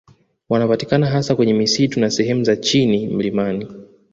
Wanapatikana hasa kwenye misitu na sehemu za chini mlimani